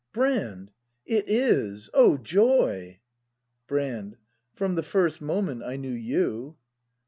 ] Brand ! It is ! O joy ! Brand. From the first moment I knew you.